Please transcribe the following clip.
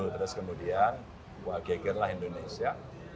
terus kemudian wah geger lah indonesia